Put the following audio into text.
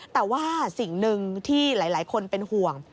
แต่ว่าสิ่งหนึ่งที่หลายคนเป็นห่วง